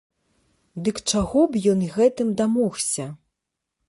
Дык чаго б ён гэтым дамогся?